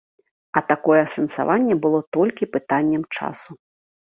А такое асэнсаванне было толькі пытаннем часу.